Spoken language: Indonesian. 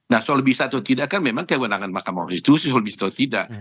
nah soal bisa atau tidak kan memang kewenangan makam orang itu soal bisa atau tidak